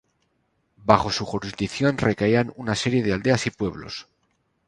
Bajo su jurisdicción recaían una serie de aldeas y pueblos.